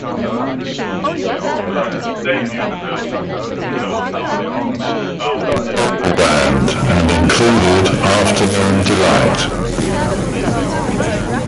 The group's debut album was the self-titled "Starland Vocal Band" and included "Afternoon Delight".